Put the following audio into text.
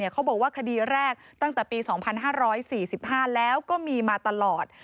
เขาบอกว่าคดีแรกตั้งแต่ปี๒๕๔๕แล้วก็มีมาตลอด